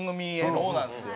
そうなんですよ。